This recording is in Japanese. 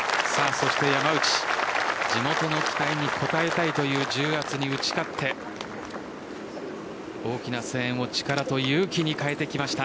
そして、山内地元の期待に応えたいという重圧に打ち勝って大きな声援を力と勇気に変えてきました。